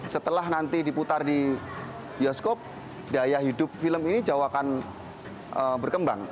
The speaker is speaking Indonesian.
setelah nanti diputar di bioskop gaya hidup film ini jauh akan berkembang